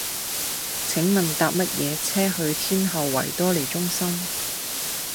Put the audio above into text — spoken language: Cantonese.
請問搭乜嘢車去天后維多利中心